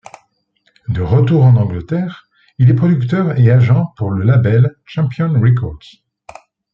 De retour en Angleterre, il est producteur et agent pour le label Champion Records.